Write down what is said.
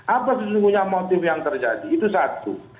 apa sesungguhnya motif yang terjadi itu satu